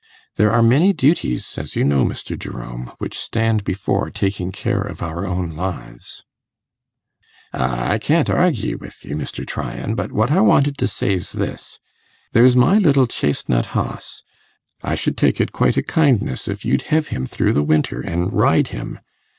There are many duties, as you know, Mr. Jerome, which stand before taking care of our own lives.' 'Ah! I can't arguy wi' you, Mr. Tryan; but what I wanted to say's this There's my little chacenut hoss; I should take it quite a kindness if you'd hev him through the winter an' ride him.